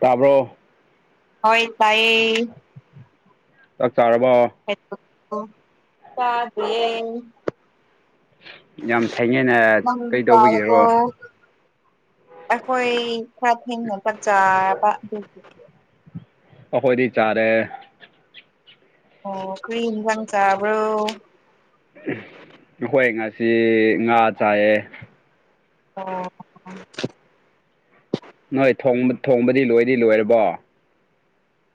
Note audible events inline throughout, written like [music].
ꯇꯥꯔꯕ꯭ꯔꯣ ꯍꯣꯏ ꯇꯌꯦ ꯆꯥꯛ ꯆꯥꯔꯕ [inaudible] ꯌꯥꯝ ꯊꯦꯡꯉꯦꯅꯦ ꯃꯪꯒꯤ ꯀꯔꯀꯣ ꯀꯩꯗꯧꯕꯒꯤꯔꯣ ꯑꯩꯈꯣꯏ ꯈꯔ ꯊꯦꯡꯅ ꯄꯟꯖꯥꯕ ꯑꯗꯨ ꯑꯈꯣꯏꯗꯤ ꯆꯥꯔꯦ ꯑꯣ ꯀ꯭ꯔꯤꯟ ꯆꯥꯡꯪ ꯆꯕ꯭ꯔ ꯑꯩꯈꯣꯏ ꯉꯥꯁꯤ ꯉꯥ ꯆꯥꯏꯑꯦ ꯑꯣ ꯎꯝ ꯅꯣꯏ ꯊꯣꯡꯕ ꯊꯣꯡꯕꯗꯤ ꯂꯣꯏꯗꯤ ꯂꯣꯏꯔꯕꯣ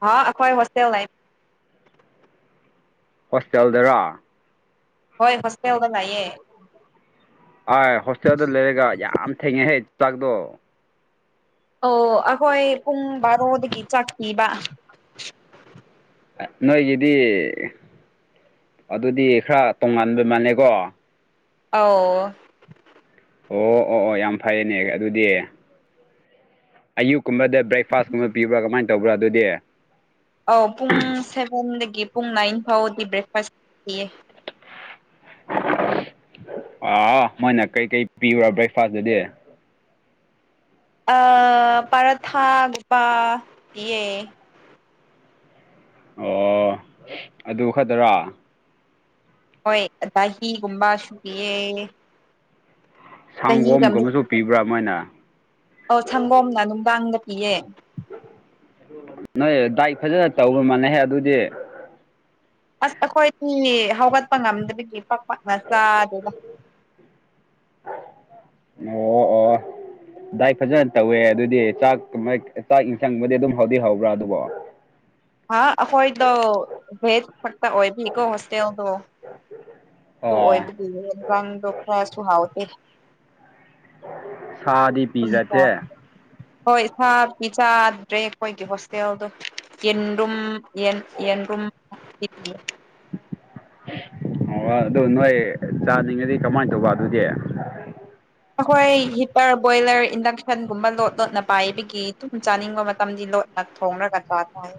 ꯍ ꯑꯈꯣꯏ ꯍꯣꯁꯇꯦꯜ ꯂꯩ ꯍꯣꯁꯇꯦꯜꯗꯔꯣ ꯍꯣꯏ ꯍꯣꯁꯇꯦꯜꯗ ꯂꯩꯌꯦ ꯑꯥꯏ ꯍꯣꯁꯇꯦꯜꯗ ꯂꯩꯔꯒ ꯌꯥꯝ ꯊꯦꯡꯉꯦꯍꯦ ꯆꯥꯛꯗꯣ ꯑꯣ ꯑꯩꯈꯣꯏ ꯄꯨꯡ ꯕꯥꯔꯣꯗꯒꯤ ꯆꯥꯛ ꯄꯤꯕ ꯅꯣꯏꯒꯤꯗꯤ ꯑꯗꯨꯗꯤ ꯈꯔ ꯇꯣꯉꯥꯟꯕꯩ ꯃꯥꯟꯅꯩꯀꯣ ꯑꯣꯥꯎ ꯑꯣ ꯑꯣ ꯑꯣ ꯌꯥꯝ ꯐꯩꯌꯦꯅꯦ ꯑꯗꯨꯗꯤ ꯑꯌꯨꯛꯀꯨꯝꯕꯗ ꯕ꯭ꯔꯦꯛꯐꯥꯁꯀꯨꯝꯕ ꯄꯤꯕ꯭ꯔꯥ ꯀꯃꯥꯏꯅ ꯇꯧꯕ꯭ꯔꯥ ꯑꯗꯨꯗꯤ ꯑꯧ ꯄꯨꯡ ꯁꯦꯚꯦꯟꯗꯒꯤ ꯄꯨꯡ ꯅꯥꯏꯟ ꯐꯥꯎꯗꯤ ꯕ꯭ꯔꯦꯛꯐꯥꯁ ꯄꯤꯌꯦ ꯑꯥ ꯃꯣꯏꯅ ꯀꯩꯀꯩ ꯄꯤꯕ꯭ꯔꯥ ꯕ꯭ꯔꯦꯛꯐꯥꯁꯇꯨꯗꯤ ꯑ ꯄꯥꯔꯥꯊꯥ ꯒꯨꯕ ꯌꯦ ꯑꯣ ꯑꯗꯨ ꯈꯗꯔꯣ ꯍꯣꯏ ꯗꯥꯍꯤꯒꯨꯝꯕ ꯁꯨꯌꯦ ꯁꯪꯒꯣꯝꯒꯨꯝꯕꯁꯨ ꯄꯤꯕ꯭ꯔꯥ ꯃꯣꯏꯅ ꯑꯧ ꯁꯪꯒꯣꯝꯅ ꯅꯨꯡꯗꯥꯡꯗ ꯄꯤꯌꯦ ꯅꯣꯏ ꯗꯥꯏꯛ ꯐꯖꯅ ꯇꯧꯕ ꯃꯥꯥꯟꯅꯦꯍꯦ ꯑꯗꯨꯗꯤ ꯑꯁ ꯑꯩꯈꯣꯏꯗꯤ ꯍꯧꯒꯠꯄ ꯉꯝꯗꯕꯒꯤ ꯄꯥꯛ ꯄꯥꯛꯅ ꯆꯥꯗꯦꯗ [inaudible] ꯑꯣ ꯑꯣ ꯑꯣ ꯗꯥꯏꯠ ꯐꯖꯅ ꯇꯧꯋꯦ ꯑꯗꯨꯗꯤ ꯆꯥꯛ ꯀꯃꯥꯏ ꯆꯥꯛ ꯏꯟꯁꯥꯡꯕꯨꯗꯤ ꯑꯗꯨꯝ ꯍꯥꯎꯗꯤ ꯍꯧꯕ꯭ꯔꯥ ꯑꯗꯨꯕꯣ ꯍꯥ ꯑꯩꯈꯣꯏꯗꯣ ꯚꯦꯠ ꯈꯛꯇ ꯑꯣꯏꯕꯤꯀꯣ ꯍꯤꯁꯇꯦꯜꯗꯣ ꯑꯗꯨ ꯑꯣ ꯑꯣꯏꯕꯗꯤ ꯏꯟꯖꯥꯡꯗꯣ ꯈꯔꯁꯨ ꯍꯥꯎꯇꯦ ꯁꯥꯗꯤꯞ ꯄꯥ [unintelligible] ꯍꯣꯏ ꯏꯁꯥ ꯗꯤ ꯆꯥꯗ꯭ꯔꯦ ꯑꯩꯈꯣꯏꯒꯤ ꯍꯣꯁꯇꯦꯜꯗꯣ ꯌꯦꯟ ꯔꯨꯝ ꯌꯦꯟ ꯌꯦꯟꯔꯨꯝ ꯑꯣ ꯑꯗꯨ ꯅꯣꯏ ꯆꯥꯅꯤꯡꯉꯗꯤ ꯀꯃꯥꯏ ꯇꯧꯕ ꯑꯗꯨꯗꯤ ꯑꯈꯣꯏ ꯍꯤꯇꯔ ꯕꯣꯏꯂꯔ ꯏꯟꯗꯛꯁꯟꯒꯨꯝꯕ ꯂꯣꯠ ꯂꯣꯠꯅ ꯄꯥꯏꯕꯒꯤ ꯑꯗꯨꯨꯝ ꯆꯥꯅꯤꯡꯕ ꯃꯇꯝꯗꯤ ꯂꯣꯠ ꯊꯣꯡꯔꯒ ꯆꯥꯊꯣꯛꯏ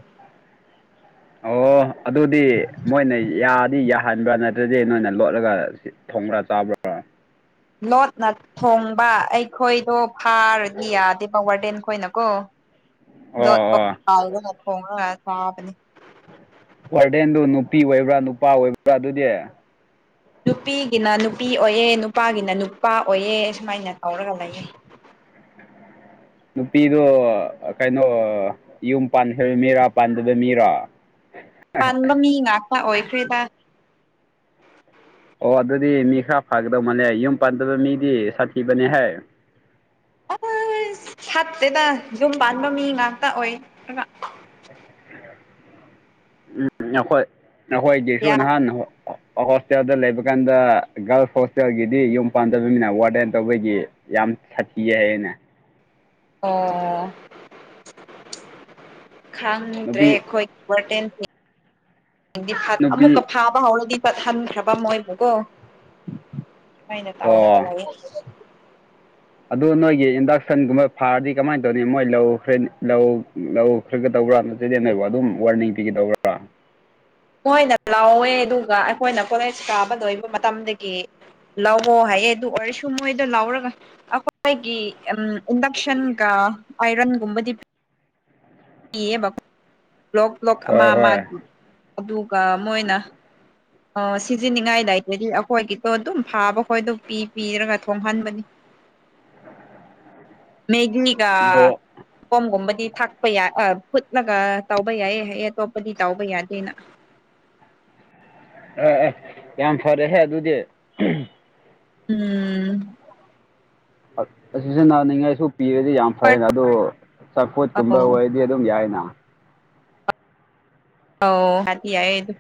ꯑꯣ ꯑꯗꯨꯗꯤ ꯃꯣꯏꯅ ꯌꯥꯗꯤ ꯌꯥꯍꯟꯕ꯭ꯔꯥ ꯅꯠꯇ꯭ꯔꯗꯤ ꯅꯣꯏꯅ ꯂꯣꯠꯔꯒ ꯊꯣꯡ꯭ꯉꯔ ꯆꯥꯕ꯭ꯔ ꯂꯣꯠꯅ ꯊꯣꯡꯕ ꯑꯩꯈꯣꯏꯗꯣ ꯐꯥꯔꯗꯤ ꯌꯥꯗꯦꯕ ꯋꯥꯔꯗꯦꯟ ꯈꯣꯏꯅ ꯀꯣ ꯑꯣ ꯂꯣꯠꯄ ꯑꯣ ꯇꯥꯎꯕꯒ ꯊꯣꯡꯔꯒ ꯆꯥꯕꯅꯤ ꯋꯥꯔꯗꯦꯟꯗꯨ ꯅꯨꯄꯤ ꯑꯣꯏꯕ꯭ꯔꯥ ꯅꯨꯄꯥ ꯑꯣꯏꯕ꯭ꯔꯥ ꯑꯗꯨꯗꯤ ꯅꯨꯄꯤꯒꯤꯅ ꯅꯨꯄꯤ ꯑꯣꯏꯌꯦ ꯅꯨꯄꯥꯒꯤꯅ ꯅꯨꯄꯥ ꯑꯣꯏꯑꯦ ꯁꯨꯃꯥꯏꯅ ꯇꯧꯔꯒ ꯂꯩꯌꯦ ꯅꯨꯄꯤꯗꯣ ꯀꯩꯅꯣ ꯌꯨꯝ ꯄꯥꯟꯈꯔꯕ ꯃꯤꯔꯥ ꯄꯥꯟꯗꯕ ꯃꯤꯔꯣ [inaudible] ꯄꯥꯟꯕ ꯃꯤ ꯉꯥꯛꯇ ꯑꯣꯏꯈꯔꯦꯗ ꯑꯣ ꯑꯗꯨꯗꯤ ꯃꯤ ꯈꯔ ꯐꯒꯗꯧ ꯃꯥꯜꯂꯦ ꯌꯨꯝ ꯄꯥꯟꯗꯕ ꯃꯤꯗꯤ ꯁꯥꯊꯤꯕꯅꯤ ꯍꯦ ꯑꯍꯣꯁ ꯐꯠꯇꯦꯗ ꯌꯨꯝ ꯄꯥꯟꯕ ꯃꯤ ꯉꯥꯛꯇ ꯑꯣꯏ ꯔꯒ ꯎꯝ ꯅꯈꯣꯏ ꯅꯈꯣꯏꯒꯤꯁꯨ ꯌꯥꯝ ꯅꯍꯥꯟ ꯍ ꯍꯣꯁꯇꯦꯜꯗ ꯂꯩꯕ ꯀꯥꯟꯗ ꯒꯥꯔꯜꯁ ꯍꯣꯁꯇꯦꯜꯒꯤꯗꯤ ꯌꯨꯝ ꯄꯥꯟꯗꯕꯅꯤꯅ ꯋꯥꯔꯗꯦꯟ ꯇꯧꯕꯒꯤ ꯌꯥꯝ ꯁꯥꯊꯤꯌꯦ ꯍꯥꯏꯌꯦꯅꯦ ꯑꯣ ꯈꯪꯗ꯭ꯔꯦ ꯅꯨꯄꯤ ꯑꯩꯈꯣꯏ ꯋꯥꯗꯦꯟꯇꯤ [unintelligible] ꯑꯃꯨꯛꯀ ꯅꯨꯄꯤ ꯐꯥꯕ ꯍꯧꯔꯗꯤ ꯐꯠ ꯍꯟꯈ꯭ꯔꯕ ꯃꯣꯏꯕꯨꯀꯣ ꯑꯩꯅ ꯇꯧꯔꯒ ꯑꯣ ꯂꯩꯌꯦ ꯑꯗꯨ ꯅꯣꯏꯒꯤ ꯏꯟꯗꯛꯁꯟꯒꯨꯝꯕ ꯐꯥꯔꯗꯤ ꯀꯃꯥꯏꯅ ꯇꯧꯅꯤ ꯃꯣꯏ ꯂꯧ ꯈ꯭ꯔꯦ ꯂꯧ ꯂꯧ ꯈꯔꯒꯇꯧꯕ꯭ꯔꯥ ꯅꯠꯆꯗꯦꯅꯕ ꯑꯗꯨꯝ ꯋꯥꯔꯅꯤꯡ ꯄꯤꯒꯗꯧꯕ꯭ꯔꯥ ꯃꯣꯏꯅ ꯂꯥꯎꯋꯦ ꯑꯗꯨꯒ ꯑꯩꯈꯣꯏꯅ ꯀꯣꯂꯦꯖ ꯀꯥꯕ ꯂꯣꯏꯕ ꯃꯇꯝꯗꯒꯤ ꯂꯥꯛꯑꯣ ꯍꯥꯏꯌꯦ ꯑꯗꯨ ꯑꯣꯏꯔꯁꯨ ꯃꯣꯏꯗꯣ ꯂꯧꯔꯒ ꯑꯩꯈꯣꯏꯒꯤ ꯎ ꯏꯟꯗꯛꯁꯟꯒ ꯑꯥꯏꯔꯟꯒꯨꯝꯕꯗꯤ ꯀꯌꯦꯕ ꯕ꯭ꯂꯣꯛ ꯕ꯭ꯂꯣꯛ ꯑꯃ ꯍꯣꯏ ꯍꯣꯏ ꯑꯃꯒꯤ ꯑꯗꯨꯒ ꯃꯣꯏꯅ ꯑꯣ ꯁꯤꯖꯤꯅꯤꯡꯉꯥꯏꯗꯏꯗꯗꯤ ꯑꯩꯈꯣꯏꯒꯤꯗꯣ ꯑꯗꯨꯝ ꯐꯥꯕ ꯈꯣꯏꯗ ꯄꯤ ꯄꯤꯔꯒ ꯊꯣꯡꯍꯟꯕꯅꯤ ꯃꯦꯒꯤꯒꯥ ꯑꯣ ꯀꯣꯝꯒꯨꯝꯕꯗꯤ ꯊꯛꯄ ꯌꯥꯏ ꯑ ꯐꯨꯠꯂꯒ ꯇꯧꯕ ꯌꯥꯏꯌꯦ ꯍꯥꯏꯌꯦ ꯑꯇꯣꯞꯄꯗꯤ ꯇꯥꯎꯕ ꯌꯥꯗꯦꯅ ꯑꯥ ꯑꯥ ꯌꯥꯝ ꯐꯔꯦꯍꯦ ꯑꯗꯨꯗꯤ ꯎꯝ ꯑꯁꯤꯖꯦ ꯅꯥꯅꯤꯡꯉꯥꯏꯁꯨ ꯄꯤꯔꯗꯤ ꯌꯥꯝ ꯐꯩꯌꯦꯅ ꯑꯗꯣ ꯆꯝꯐꯨꯠꯀꯨꯝꯕ ꯑꯧ ꯑꯣꯏꯔꯗꯤ ꯑꯗꯨꯝ ꯌꯥꯏꯅ ꯑꯣ ꯍꯥꯏꯗꯤ ꯌꯥꯏ ꯑꯗꯨ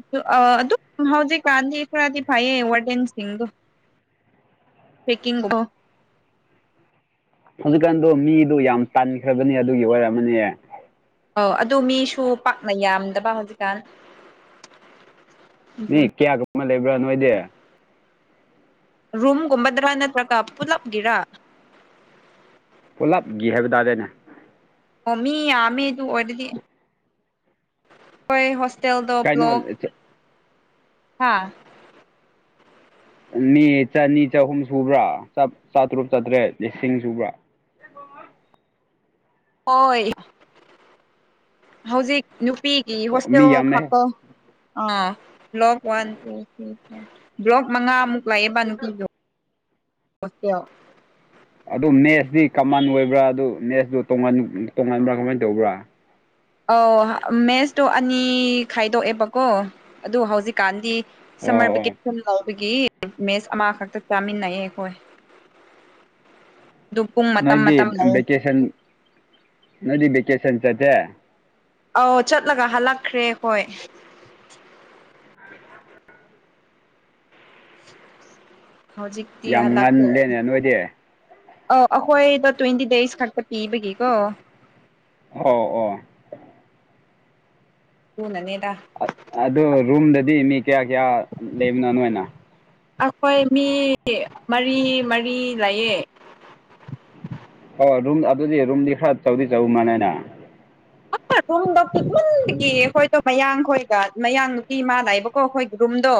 ꯑꯗꯨ ꯑ ꯑꯗꯨꯛ ꯍꯧꯖꯤꯛ ꯀꯔꯥꯟꯗꯤ ꯈꯔꯗꯤ ꯐꯥꯏꯌꯦ ꯋꯥꯔꯗꯦꯟ ꯁꯤꯡꯗꯣ ꯄꯦꯛꯀꯤꯡꯇꯣ ꯍꯧꯖꯤꯛꯀꯥꯟꯗꯣ ꯃꯤꯗꯣ ꯌꯥꯝ ꯇꯟꯈ꯭ꯔꯕꯅꯤ ꯑꯗꯨꯒꯤ ꯑꯣꯏꯔꯝꯃꯅꯦ ꯑꯧ ꯑꯗꯨ ꯃꯤꯁꯨ ꯄꯥꯛꯅ ꯌꯥꯝꯗꯕ ꯍꯧꯖꯤꯛꯀꯥꯟ ꯃꯤ ꯀꯌꯥꯒ ꯑꯃ ꯂꯩꯕ꯭ꯔꯥ ꯅꯣꯏꯗꯤ ꯔꯨꯝꯒꯨꯝꯕꯗ꯭ꯔꯥ ꯅꯠꯇ꯭ꯔꯒ ꯄꯨꯂꯞꯒꯤꯔꯥ ꯄꯨꯜꯂꯞ ꯒꯤ ꯍꯥꯏꯕ ꯇꯥꯗꯦꯅꯦ ꯑꯣ ꯃꯤ ꯌꯥꯝꯃꯦ ꯑꯗꯨ ꯑꯣꯏꯔꯗꯤ ꯍꯣꯏ ꯍꯣꯁꯇꯦꯜꯗꯣ ꯀꯩꯅꯣ ꯕ꯭ꯂꯣꯛ ꯍꯥꯥ ꯃꯤ ꯆꯥꯅꯤ ꯆꯍꯨꯝ ꯁꯨꯕ꯭ꯔꯥ ꯆꯥ ꯆꯥꯇ꯭ꯔꯨꯛ ꯆꯥꯇ꯭ꯔꯦꯠ ꯂꯤꯁꯤꯡ ꯁꯨꯕ꯭ꯔꯥ ꯑꯣꯏ ꯍꯧꯖꯤꯛ ꯅꯨꯄꯤꯒꯤ ꯑꯣ ꯍꯣꯁꯇꯦꯜ ꯃꯤ ꯌꯥꯝꯃꯦ ꯈꯠꯇꯥ ꯑꯥ block one two three four block ꯃꯉꯥꯃꯨꯛ ꯂꯩꯑꯦꯕ ꯅꯨꯄꯤꯗꯣ ꯍꯦꯁꯇꯦꯜ ꯑꯗꯨ ꯃꯦꯠꯁꯇꯤ ꯀꯃꯥꯟ ꯑꯣꯏꯕ꯭ꯔꯥ ꯑꯗꯨ ꯃꯦꯠꯁꯇꯨ ꯇꯣꯉꯥꯟ ꯇꯣꯉꯥꯟꯕ꯭ꯔꯥ ꯀꯃꯥꯏ ꯇꯧꯕ꯭ꯔꯥ ꯑꯧ ꯃꯦꯁꯇꯣ ꯑꯅꯤ ꯈꯥꯏꯗꯣꯛꯑꯦꯕꯀꯣ ꯑꯗꯨ ꯍꯧꯖꯤꯛꯀꯥꯟꯗꯤ ꯑꯣ ꯁꯝꯃꯔ ꯑꯣ ꯚꯦꯀꯦꯁꯟ ꯂꯧꯕꯒꯤ ꯃꯦꯁ ꯑꯃꯈꯛꯇ ꯆꯥꯃꯤꯟꯅꯩꯑꯦ ꯑꯩꯈꯣꯏ ꯑꯗꯨ ꯄꯨꯡ ꯃꯇꯝ ꯅꯣꯏꯗꯤ ꯃꯇꯝ ꯂꯩ ꯕꯦꯀꯦꯁꯟ ꯅꯣꯏꯗꯤ ꯕꯦꯀꯦꯁꯟ ꯆꯠꯇꯦ ꯑꯧ ꯆꯠꯂꯒ ꯍꯜꯂꯛꯈ꯭ꯔꯦ ꯍꯣꯏ ꯍꯧꯖꯤꯛꯇꯤ ꯌꯥꯝ ꯍꯜꯂꯛꯈ꯭ꯔꯦ ꯉꯜꯂꯦꯅꯦ ꯅꯣꯏꯗꯤ ꯑꯧ ꯑꯩꯈꯣꯏꯗ ꯇ꯭ꯋꯦꯟꯇꯤ ꯗꯦꯖ ꯈꯛꯇ ꯄꯤꯕꯒꯤꯀꯣ ꯑꯣ ꯑꯣ ꯍꯨꯅꯅꯦꯗ ꯑ ꯑꯗꯣ ꯔꯨꯝꯗꯗꯤ ꯃꯤ ꯀꯌꯥ ꯀꯌꯥ ꯂꯩꯕꯅꯣ ꯅꯣꯏꯅ ꯑꯩꯈꯣꯏ ꯃꯤ ꯃꯔꯤ ꯃꯔꯤ ꯂꯩꯌꯦ ꯍꫭꯏ ꯔꯨꯝ ꯑꯗꯨꯗꯤ ꯔꯨꯝꯗꯤ ꯈꯔ ꯆꯧꯗꯤ ꯆꯧ ꯃꯥꯜꯂꯦꯅ [unintelligible] ꯑꯩꯈꯣꯏꯗꯣ ꯃꯌꯥꯡꯈꯣꯏꯒ ꯃꯌꯥꯡ ꯅꯨꯄꯤ [unintelligible] ꯑꯩꯈꯣꯏꯒꯤ ꯔꯨꯝꯗꯣ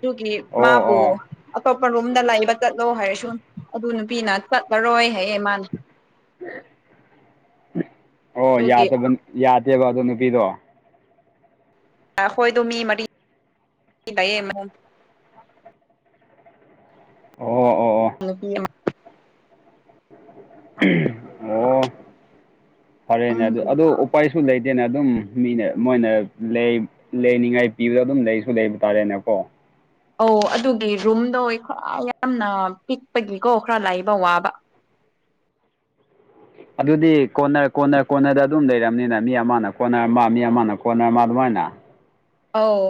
ꯇꯨꯀꯤ ꯑꯣ ꯃꯥꯕꯨ ꯑꯣ ꯑꯇꯣꯞꯄ ꯔꯨꯝꯗ ꯂꯩꯕ ꯆꯠꯂꯣ ꯍꯥꯏꯔꯁꯨ ꯑꯗꯨ ꯅꯨꯄꯤꯅ ꯆꯠꯂꯔꯣꯏ ꯍꯥꯏꯌꯦ ꯃꯥꯅ [unintelligible] ꯑꯣ ꯑꯗꯨꯒꯤ ꯌꯥꯗꯕ ꯌꯥꯗꯦꯕ ꯑꯗꯣ ꯅꯨꯄꯤꯗꯣ ꯑꯩꯈꯣꯏꯗꯣ ꯃꯤ ꯃꯔꯤ [unintelligible] ꯂꯩꯌꯦ ꯑꯣ ꯑꯣ ꯑꯣ ꯅꯨꯄꯤ ꯑꯃꯥ ꯑꯣ ꯐꯔꯦꯅꯦ ꯑꯗꯨ ꯑꯗꯣ ꯎꯄꯥꯏ ꯁꯨꯝ ꯂꯩꯇꯦꯅ ꯑꯗꯨꯝ ꯃꯤꯅ ꯃꯣꯏꯅ ꯂꯩ ꯂꯩꯅꯤꯡꯉꯥꯏ ꯄꯤꯕꯗ ꯑꯗꯨꯝ ꯂꯩꯁꯨ ꯂꯩꯕ ꯇꯥꯔꯦꯅꯀꯣ꯫ ꯑꯧ ꯑꯗꯨꯒꯤ ꯔꯨꯝꯗꯣ ꯑꯩꯈ꯭ꯋꯥꯏ ꯌꯥꯝꯅ ꯄꯤꯛꯄꯒꯤꯀꯣ ꯈꯔ ꯂꯩꯕ ꯋꯥꯕ꯫ ꯑꯗꯨꯗꯤ ꯀꯣꯟꯅꯔ ꯀꯣꯟꯅꯔ ꯀꯣꯟꯅꯔꯗ ꯑꯗꯨꯝ ꯂꯩꯔꯝꯅꯤꯅ ꯃꯤ ꯑꯃꯅ ꯀꯣꯟꯅꯔ ꯃꯥ ꯃꯤ ꯑꯃꯅ ꯀꯣꯟꯅꯔ ꯑꯃ ꯑꯗꯨꯃꯥꯏꯅ꯫ ꯑꯧ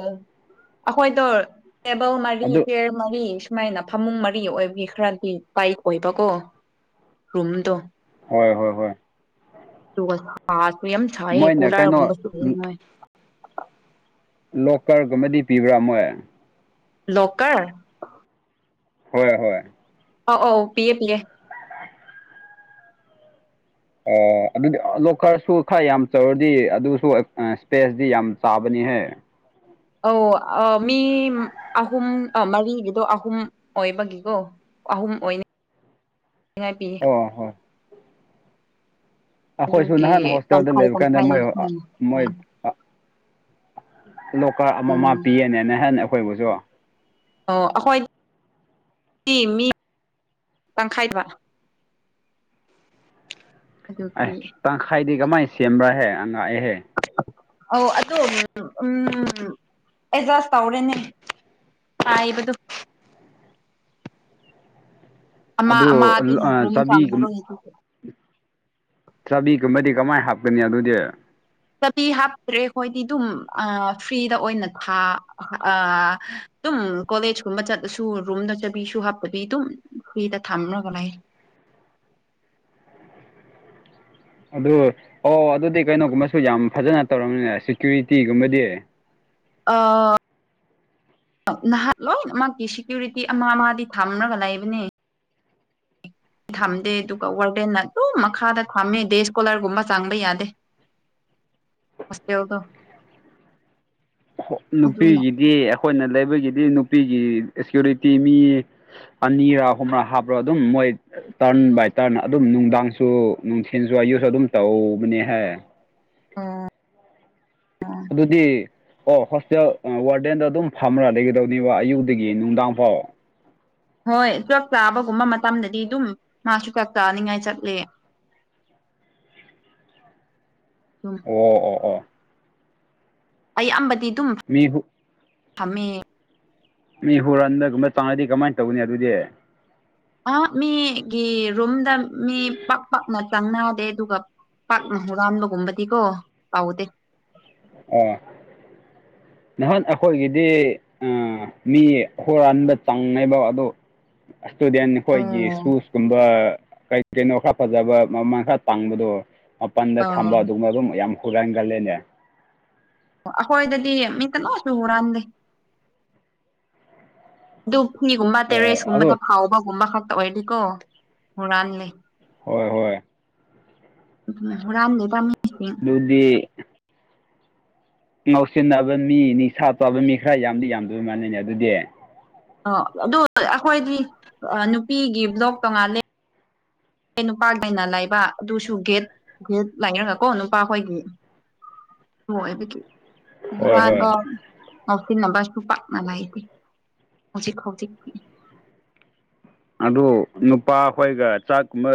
ꯑꯩꯈꯣꯏꯗꯣ ꯇꯦꯕꯜ ꯃꯔꯤ ꯑꯗꯨ ꯆꯤꯌꯦꯔ ꯃꯔꯤ꯫ ꯁꯨꯃꯥꯏꯅ ꯐꯃꯨꯡ ꯃꯔꯤ ꯑꯣꯏꯕꯒꯤ ꯈꯔꯗꯤ ꯇꯥꯏꯠ ꯑꯣꯏꯕꯀꯣ ꯔꯨꯝꯗꯣ꯫ ꯍꯣꯏ ꯍꯣꯏ ꯍꯣꯏ꯫ ꯗꯨꯒ ꯁꯥꯁꯨ ꯌꯥꯝ ꯁꯥꯑꯦ ꯃꯣꯏꯅ ꯀꯩꯅꯣ ꯀꯨꯂꯔꯒꯨꯝꯕꯁꯨꯂꯧꯉꯥꯏ꯫ ꯂꯣꯛꯀꯔꯒꯨꯝꯕꯗꯤ ꯄꯤꯕ꯭ꯔꯥ ꯃꯣꯏ꯫ ꯂꯣꯛꯀꯔ꯫ ꯍꯣꯏ ꯍꯣꯏ ꯑꯧ ꯑꯧ ꯄꯤꯌꯦ ꯄꯤꯌꯦ ꯑꯗꯨꯗꯤ ꯂꯣꯀꯔꯁꯨ ꯈꯔ ꯌꯥꯝ ꯆꯥꯎꯧꯔꯗꯤ ꯑꯗꯨꯁꯨ ꯁ꯭ꯄꯦꯁꯇꯤ ꯌꯥꯝ ꯆꯥꯕꯅꯤꯍꯦ ꯑꯧ ꯃꯤ ꯑꯍꯨꯝ ꯃꯔꯤꯒꯤꯗꯣ ꯑꯍꯨꯝ ꯑꯣꯏꯕꯒꯤꯀꯣ ꯑꯍꯨꯝ ꯑꯣꯏꯅꯤ [unintelligible] ꯉꯥꯏꯄꯤ ꯍꯣꯏ ꯍꯣꯏ ꯑꯩꯈꯣꯏꯁꯨ ꯑꯗꯨꯒꯤ ꯅꯍꯥꯟ ꯍꯣꯁꯇꯦꯜꯗ ꯇꯪꯈꯥꯏ ꯂꯩꯕ ꯀꯥꯟꯗ ꯇꯪꯈꯥꯏ ꯃꯣꯏ ꯑ ꯁꯨꯃꯥꯏꯅ ꯃꯣꯏ [unintelligible] ꯂꯣꯀꯔ ꯑꯃꯃꯝ ꯄꯤꯌꯦꯅꯦ ꯅꯍꯦꯟ ꯑꯩꯈꯣꯏꯕꯨꯁꯨ ꯑꯣ ꯑꯩꯈꯣꯏ [unintelligible] ꯃꯤ [unintelligible] ꯇꯪꯈꯥꯏꯗ ꯑꯗꯨꯀꯤ ꯑꯦ ꯇꯪꯈꯥꯏꯗꯤ ꯀꯃꯥꯏ ꯁꯦꯝꯕ꯭ꯔꯥꯍꯦ ꯑꯉꯥꯛꯑꯦꯍꯦ꯫ ꯑꯣ ꯑꯗꯨ ꯎꯝ ꯑꯦꯖꯁ ꯇꯧꯔꯦꯅꯦ꯫ ꯄꯥꯏꯕꯗꯨ꯫ ꯑꯃ ꯑꯗꯣ ꯑꯃꯗꯤ ꯂꫭ ꯑ ꯆꯥꯕꯤꯒꯨꯝ ꯆꯥꯕꯤꯒꯨꯝꯕꯗꯤ ꯀꯃꯥꯏ ꯍꯥꯞꯀꯅꯤ ꯑꯗꯨꯗꯤ꯫ ꯆꯕꯤ ꯍꯥꯞꯇ꯭ꯔꯦ ꯍꯣꯏꯗꯤ ꯑꯗꯨꯝ ꯑꯥ ꯐ꯭ꯔꯤꯗ ꯑꯣꯏꯅ ꯊꯥ ꯑꯥ ꯑꯗꯨꯝ ꯀꯣꯂꯦꯖ ꯀꯨꯝꯕ ꯆꯠꯂꯁꯨ ꯔꯨꯝꯗ ꯆꯕꯤꯁꯨ ꯍꯥꯞꯇꯕꯤ ꯑꯗꯨꯝ ꯐ꯭ꯔꯤꯗ ꯊꯝꯔꯒ ꯂꯩ꯫ ꯑꯗꯨ ꯑꯣ ꯑꯗꯨꯗꯤ ꯀꯩꯅꯣꯒꯨꯝꯕꯁꯨ ꯌꯥꯝ ꯐꯖꯅ ꯇꯧꯔꯝꯅꯤꯅꯦ ꯁꯦꯀ꯭ꯌꯨꯔꯤꯇꯤꯒꯨꯝꯕꯗꯤ꯫ ꯑꯥ ꯅꯍꯥꯠ ꯂꯣꯏꯅꯃꯛꯀꯤ ꯁꯦꯀ꯭ꯌꯨꯔꯤꯇꯤ ꯑꯃ ꯃꯗꯤ ꯊꯝꯔꯒ ꯂꯩꯕꯅꯦ꯫ [unintelligible] ꯊꯝꯗꯦ ꯑꯗꯨꯒ ꯋꯥꯔꯗꯦꯟꯅ ꯑꯗꯨꯝ ꯃꯈꯥꯗ ꯐꯝꯃꯦ ꯗꯦꯁꯀꯣꯂꯔꯒꯨꯝꯕ ꯆꯪꯕ ꯌꯥꯗꯦ꯫ ꯍꫭꯁꯇꯦꯜꯗꫭ꯫ ꯈꫭ ꯅꯨꯄꯤꯒꯤꯗꯤ ꯑꯩꯈꯣꯏꯅ ꯂꯩꯕꯒꯤꯗꯤ ꯅꯨꯄꯤꯒꯤ ꯁꯤꯀ꯭ꯌꯨꯔꯤꯇꯤ ꯃꯤ ꯑꯅꯤꯔꯥ ꯑꯍꯨꯝꯔꯥ ꯍꯥꯞꯔ ꯑꯗꯨꯝ ꯃꯣꯏ ꯇꯔꯟ ꯕꯥꯏ ꯇꯔꯟ ꯑꯗꯨꯝ ꯅꯨꯡꯗꯥꯡꯁꯨ ꯅꯨꯡꯊꯤꯟꯁꯨ ꯑꯌꯨꯁꯨ ꯑꯗꯨꯝ ꯇꯧꯕꯅꯦꯍꯦ꯫ ꯑꫭ ꯑꫭ꯫ ꯑꯗꯨꯗꯤ ꯑꯣ ꯍꯣꯁꯇꯦꯜ ꯑ ꯋꯥꯔꯗꯦꯟꯗꫭ ꯑꯗꯨꯝ ꯐꯝꯃꯔꯥ ꯂꯩꯒꯗꯕꯅꯦꯕ ꯑꯌꯨꯛꯗꯒꯤ ꯅꯨꯡꯗꯥꯡ ꯐꯥꯎ꯫ ꯍꯣꯏ ꯆꯥꯛ ꯆꯥꯕꯒꯨꯝꯕ ꯃꯇꯝꯗꯗꯤ ꯑꯗꯨꯝ ꯃꯥꯁꯨ ꯆꯥꯛ ꯆꯥꯅꯤꯡꯉꯥꯏ ꯆꯠꯂꯦ꯫ ꯑꯗꯨꯝ ꯑꫭ ꯑꫭ ꯑꫭ꯫ ꯑꯌꯥꯝꯕꯗꯤ ꯗꯨꯝ ꯃꯤꯕꯨ ꯐꯝꯃꯦ꯫ ꯃꯤ ꯍꯨꯔꯟꯕꯒꯨꯝꯕ ꯆꯪꯑꯗꯤ ꯀꯃꯥꯏꯅ ꯇꯧꯒꯅꯤ ꯑꯗꯨꯗꯤ꯫ ꯑ ꯃꯤꯒꯤ ꯔꯨꯝꯗ ꯃꯤ ꯄꯥꯥꯛ ꯄꯥꯛꯅ ꯆꯪꯅꯥꯗꯦ ꯑꯗꯨꯒ ꯄꯥꯛꯅ ꯍꯨꯔꯥꯟꯕꯒꯨꯝꯕꯗꯤꯀꯣ ꯇꯧꯗꯦ꯫ ꯑꯣ꯫ ꯅꯍꯥꯟ ꯑꯩꯈꯣꯏꯒꯤꯗꯤ ꯑ ꯃꯤ ꯍꯨꯔꯥꯟꯕ ꯆꯪꯉꯦꯕ ꯑꯗꫭ ꯑꯁ꯭ꯇꯨꯗꯦꯟ ꯈꯣꯏꯒꯤ ꯑꯣ ꯁꯨꯁꯀꯨꯝꯕ ꯀꯩ ꯀꯩꯅꯣ ꯈꯔ ꯐꯖꯕ ꯃꯃꯟ ꯈꯔ ꯇꯥꯡꯕꯗꯣ ꯃꯄꯟꯗ ꯑꯥ ꯊꯝꯕ ꯑꯗꯨꯒꯨꯝꯕ ꯑꯗꯨꯝ ꯌꯥꯝ ꯍꯨꯔꯥꯟꯒꯜꯂꯦꯅꯦ꯫ ꯑꫭ ꯑꯈꯣꯏꯗꯗꯤ ꯃꯤ ꯀꯅꯥꯁꯨꯨ ꯍꯨꯔꯥꯟꯗꯦ꯫ ꯑꯗꯨ ꯐꯤꯒꯨꯝꯕ ꯍꯣꯏ ꯇꯦꯔꯦꯁꯀꯨꯝꯕꯗ ꯑꯗꯣ ꯐꯥꯎꯕꯒꯨꯝꯕ ꯈꯛꯇ ꯑꯣꯏꯗꯤꯀꯣ ꯍꯨꯔꯥꯟꯂꯦ꯫ ꯍꯣꯏ ꯍꯣꯏ꯫ ꯎ ꯔꯝ ꯂꯩ ꯄꯝ ꯕꯨꯗꯤ ꯉꯥꯎꯁꯤꯟꯅꯕ ꯃꯤ ꯅꯤꯡꯁꯥ ꯇꯥꯕ ꯃꯤ ꯈꯔ ꯌꯥꯝꯗꯤ ꯌꯥꯝꯗꯕ ꯃꯥꯅꯩꯅꯦ ꯑꯗꯨꯗꯤ ꯑꯣ ꯑꯗꯨ ꯑꯩꯈꯣꯏꯗꯤ ꯅꯨꯄꯤꯒꯤ ꯕ꯭ꯂꯣꯛ ꯇꯣꯉꯥꯜꯂꯦ ꯑꯩ ꯅꯨꯄꯥꯒꯤ ꯑꯣꯏꯅ ꯂꯥꯏꯕ ꯑꯗꯨꯁꯨ ꯒꯦꯠ ꯒꯦꯠ ꯂꯥꯏꯔꯒ ꯀꯣ ꯅꯨꯄꯥꯈꯣꯏꯒꯤ ꯍꯣꯏ ꯑꯗꯨ ꯍꯣꯏ ꯍꯣꯏ ꯍꯨꯔꯥꯟꯕ ꯉꯥꯎꯁꯤꯟꯅꯕꯁꯨ ꯄꯥꯛꯅ ꯂꯩꯇꯦ ꯍꯧꯖꯤꯛ ꯍꯧꯖꯤꯛꯇꯤ꯫ ꯑꯗꫭ ꯅꯨꯄꯥ ꯍꯣꯏꯒ ꯆꯥꯛꯀꯨꯝꯕ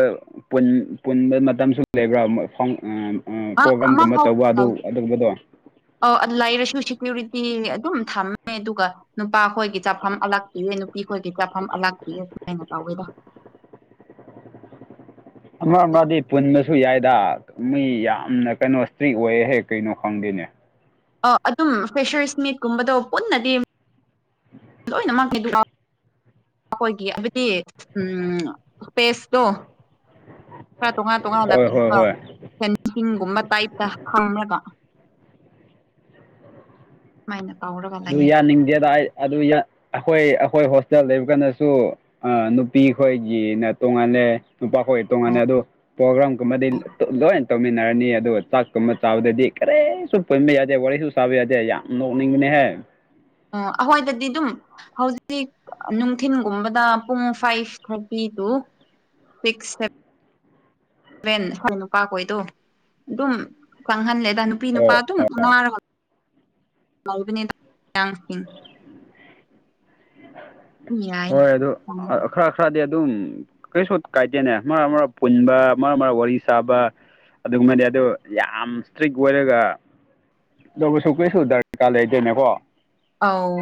ꯄꯨꯟ ꯄꯨꯟꯕ ꯃꯇꯝꯁꯨ ꯂꯩꯕ꯭ꯔꯥ ꯃꫭꯏ ꯐꯝ ꯑ ꯎ ꯑ ꯄ꯭ꯔꯣꯒ꯭ꯔꯝꯒꯨꯝꯕ ꯇꯧꯕ ꯑꯗꯨ ꯑꯗꯨꯒꯨꯝꯕꯗꯣ꯫ ꯑꫭ ꯑ ꯂꯩꯥꯏꯔꯁꯨ ꯁꯦꯀ꯭ꯌꯨꯔꯤꯇꯤ ꯑꯗꯨꯝ ꯊꯝꯃꯦ ꯑꯗꯨꯒ ꯅꯨꯄꯥ ꯈꯣꯏꯒꯤ ꯆꯥꯐꯝ ꯑꯂꯥꯛꯄꯤꯌꯦ ꯅꯨꯄꯤ ꯈꯣꯏꯒꯤ ꯆꯥꯐꯝ ꯑꯂꯥꯛꯄꯤꯌꯦ ꯁꯨꯃꯥꯏꯅ ꯇꯧꯋꯦꯗꯣ꯫ ꯑꯃ ꯑꯃꯗꯤ ꯄꯨꯟꯕꯁꯨ ꯌꯥꯏꯗ ꯃꯤ ꯌꯥꯝꯅ ꯀꯩꯅꯣ ꯏꯁꯇ꯭ꯔꯤꯛ ꯑꯣꯏꯌꯦ ꯍꯦꯛ ꯀꯩꯅꯣ ꯈꯪꯗꯦꯅꯦ ꯑ ꯑꯗꯨꯝ ꯐꯦꯁꯔ ꯏꯁꯃꯤꯠꯀꯨꯝꯕꯗꯣ ꯄꯨꯟꯅꯗꯤ ꯂꯣꯏꯅꯃꯛ ꯑꯩꯈꯣꯏꯒꯤ ꯍꯥꯏꯕꯗꯤ ꯎꯝꯦꯁꯇꯣ ꯈꯔ ꯇꯣꯉꯥꯟ ꯇꯣꯉꯥꯟꯅ ꯍꯣꯏ ꯍꯣꯏ ꯄꯤꯅꯕ ꯍꯣꯏ ꯁꯤꯡꯒꯨꯝꯕ ꯇꯥꯏꯞꯇ ꯐꯪꯅꯕ ꯃꯥꯏꯅꯥꯎ ꯑꯗꯨ ꯌꯥꯅꯤꯡꯗꯦꯗ ꯑꯗꯨ ꯑꯩꯈꯣꯏ ꯑꯩꯈꯣꯏ ꯍꯣꯁꯇꯦꯜ ꯂꯩꯕ ꯀꯥꯟꯗꯁꯨ ꯑ ꯅꯨꯄꯤꯈꯣꯏꯒꯤꯅ ꯇꯣꯡꯉꯥꯟꯜꯂꯦ ꯅꯨꯄꯥꯈꯣꯏ ꯇꯣꯉꯥꯟꯜꯂꯦ ꯑꯗꯨꯣ ꯄ꯭ꯔꯣꯒ꯭ꯔꯥꯝꯒꯨꯝꯕꯗꯤ ꯂꯣꯏꯅ ꯇꯧꯃꯤꯟꯅꯔꯅꯤ ꯑꯗꯨꯒ ꯆꯥꯛꯀꯨꯝꯕ ꯆꯥꯕꯗꯗꯤ ꯀꯔꯤ ꯄꯣꯏꯃꯦ ꯌꯥꯗꯦ ꯋꯥꯔꯤꯁꯨ ꯁꯥꯕ ꯌꯥꯗꯦ ꯌꯥꯝ ꯅꯣꯛꯅꯤꯡꯅꯦ ꯍꯥꯏꯦ ꯑꯣ ꯑꯩꯈꯣꯏꯗꯗꯤ ꯑꯗꯨꯝ ꯍꯧꯖꯤꯛ ꯅꯨꯡꯊꯤꯤꯟꯒꯨꯝꯕꯗ ꯄꯨꯡ ꯐꯥꯏꯚ ꯈꯔꯕꯤꯗꯨ ꯐꯤꯁꯦ ꯚꯦꯟ ꯍ꯭ꯋꯥꯏ ꯅꯨꯄꯥꯈꯣꯏꯗꯣ ꯑꯗꯨꯝ ꯈꯪꯍꯜꯂꯦꯗ ꯅꯨꯄꯤ ꯅꯨꯄꯥ ꯑꯣ ꯑꯗꯨꯝ ꯑꯣ ꯑꯅꯥꯔ ꯃꯅꯦꯗ ꯌꯥꯏ ꯍꯣꯏ ꯑꯗꯨ ꯈꯔ ꯈꯔꯗꯤ ꯑꯗꯨꯝ ꯀꯩꯁꯨ ꯀꯥꯏꯗꯦꯅꯦ ꯃꯔꯛ ꯃꯔꯛ ꯄꯨꯟꯕ ꯃꯔꯛ ꯃꯔꯛ ꯋꯥꯔꯤ ꯁꯥꯕ ꯑꯗꯨꯒꯨꯝꯕꯗꯤ ꯑꯗꯨ ꯌꯥꯝ ꯏꯁꯇ꯭ꯔꯤꯛ ꯑꯣꯏꯔꯒ ꯑꯗꯨꯕꯨꯁꯨ ꯀꯩꯁꯨ ꯗꯔꯀꯥꯔ ꯂꯩꯇꯣꯏꯅꯦꯀꯣ ꯑꯧ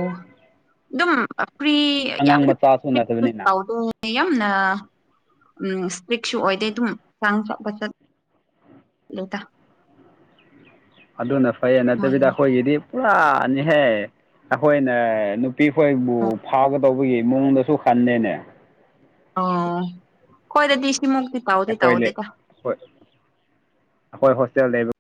ꯑꯗꯨꯝ ꯐ꯭ꯔꯤ ꯌꯥꯝ ꯑꯉꯥꯡ ꯃꯆꯥꯁꯨ ꯅꯠꯇꯕꯅꯤꯅ ꯌꯥꯝꯅ ꯎꯝ ꯏꯁꯇ꯭ꯔꯤꯛꯁꯨ ꯑꯣꯏꯗꯦ ꯑꯗꯨꯝ ꯆꯥꯡ ꯆꯠꯄ ꯆꯠ ꯂꯩꯗ ꯑꯗꯨꯅ ꯐꯩ ꯅꯠꯇꯕꯤꯗ ꯑꯩꯈꯣꯏꯒꯤꯗꯤ ꯄꯨꯔꯥꯅꯤꯍꯦ ꯑꯩꯈꯣꯏꯅ ꯄꯤ ꯑꯩꯣꯏꯕꯨ ꯐꯥꯒꯗꯧꯕꯒꯤ ꯃꯑꯣꯡꯗꯁꯨ ꯍꯟꯅꯦꯅꯦ ꯑꯣ ꯀꯣꯏꯗ ꯇꯗꯤꯁꯤ ꯃ ꯑꯩꯈꯣꯏ ꯂꯩ ꯑꯩꯈꯣꯏ ꯍꯣꯁꯇꯦꯜ ꯂꯩꯕ